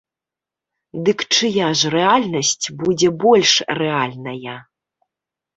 Дык чыя ж рэальнасць будзе больш рэальная?